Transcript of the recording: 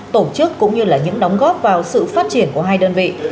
tổ chức cũng như là những đóng góp vào sự phát triển của hai đơn vị